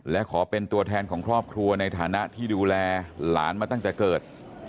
และขอเป็นตัวแทนของครอบครัวในฐานะที่ดูแลหลานมาตั้งแต่เกิด